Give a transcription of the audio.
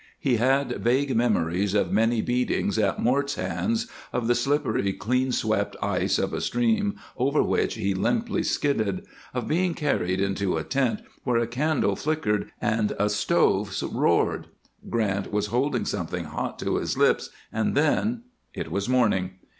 He had vague memories of many beatings at Mort's hands, of the slippery clean swept ice of a stream over which he limply skidded, of being carried into a tent where a candle flickered and a stove roared. Grant was holding something hot to his lips, and then It was morning.